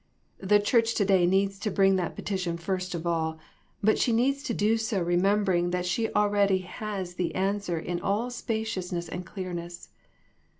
The church to day needs to bring that petition first of all, but she needs to do so remem bering that she already has the answer in all spaciousness and clearness.